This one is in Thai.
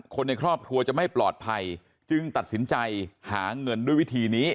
คนในครอบครัวจะไม่ปลอดภัยจึงตัดสินใจหาเงินด้วยวิธีนี้